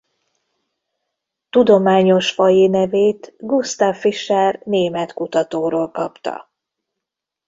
Tudományos faji nevét Gustav Fischer német kutatóról kapta.